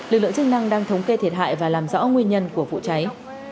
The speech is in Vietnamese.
lực lượng chức năng đang thống kê thiệt hại và làm rõ nguyên nhân của vụ cháy